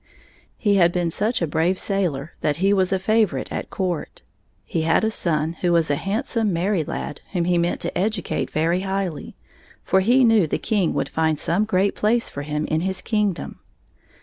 He had been such a brave sailor that he was a favorite at court. He had a son who was a handsome, merry lad, whom he meant to educate very highly, for he knew the king would find some great place for him in his kingdom.